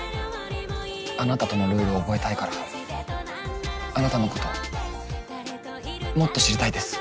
あなたとのルール覚えたいからあなたのこともっと知りたいです。